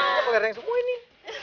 kenapa kerenang semua ini